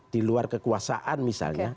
di luar kekuasaan misalnya